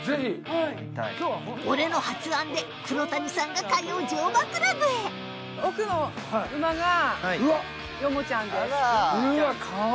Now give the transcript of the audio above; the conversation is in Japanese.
俺の発案で黒谷さんが通う乗馬クラブへ奥の馬がヨモちゃんです。